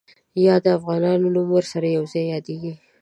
یا د افغانانو نوم ورسره یو ځای یادېږي.